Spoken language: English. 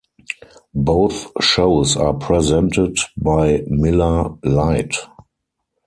Both shows are presented by Miller Lite.